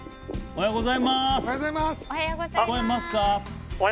おはようございます。